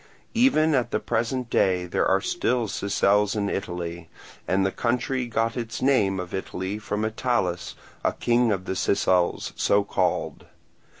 Even at the present day there are still Sicels in Italy; and the country got its name of Italy from Italus, a king of the Sicels, so called.